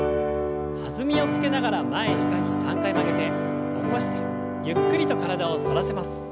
弾みをつけながら前下に３回曲げて起こしてゆっくりと体を反らせます。